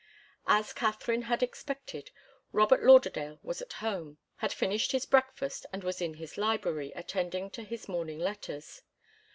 As Katharine had expected, Robert Lauderdale was at home, had finished his breakfast and was in his library attending to his morning letters.